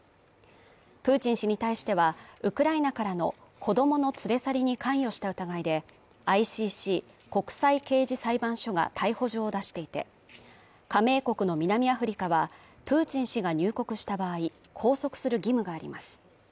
プーチン氏に対しては、ウクライナからの子供の連れ去りに関与した疑いで、ＩＣＣ＝国際刑事裁判所が逮捕状を出していて、加盟国の南アフリカは、プーチン氏が入国した場合、拘束する義務があります。